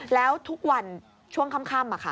แล้วทุกวันช่วงค่ำ